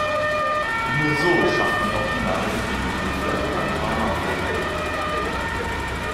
Nur so schafft man optimale Bedingungen für ein Panoramafoto.